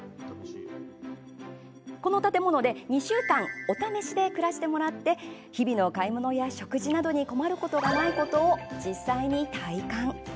この建物で２週間お試しで暮らしてもらい日々の買い物や食事などに困ることがないことを実際に体感。